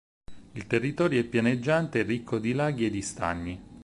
Il territorio è pianeggiante e ricco di laghi e di stagni.